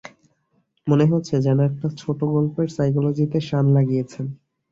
মনে হচ্ছে, যেন একটা ছোটো গল্পের সাইকোলজিতে শান লাগিয়েছেন।